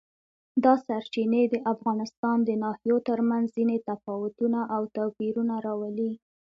دا سرچینې د افغانستان د ناحیو ترمنځ ځینې تفاوتونه او توپیرونه راولي.